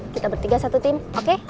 kita bertiga satu tim oke